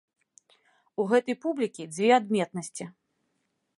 У гэтай публікі дзве адметнасці.